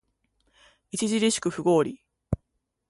著しく不合理